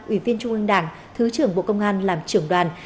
ủy viên trung ương đảng thứ trưởng bộ công an làm trưởng đoàn